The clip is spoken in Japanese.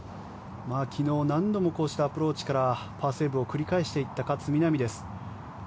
昨日、何度もこうしたアプローチからパーセーブを繰り返していった勝みなみです。